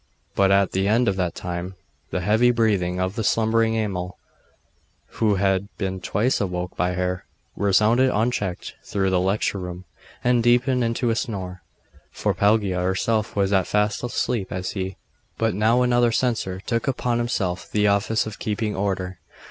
But at the end of that time the heavy breathing of the slumbering Amal, who had been twice awoke by her, resounded unchecked through the lecture room, and deepened into a snore; for Pelagia herself was as fast asleep as he. But now another censor took upon himself the office of keeping order.